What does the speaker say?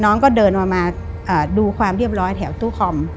น้องก็เดินมาดูความเรียบร้อยแถวตู้คอม